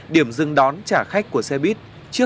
điểm dừng đón trả khách của xe bít